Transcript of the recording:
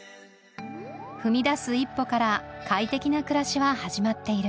踏み出す一歩から快適な暮らしは始まっている